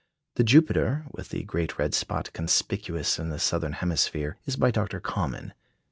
The Jupiter, with the great red spot conspicuous in the southern hemisphere, is by Dr. Common.